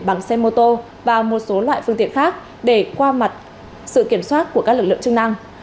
bằng xe mô tô và một số loại phương tiện khác để qua mặt sự kiểm soát của các lực lượng chức năng